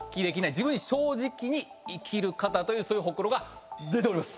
自分に正直に生きる方というそういうホクロが出ております。